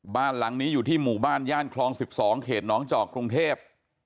บ้านหลังนี้อยู่ที่หมู่บ้านย่านคลอง๑๒เขตน้องจอกกรุงเทพ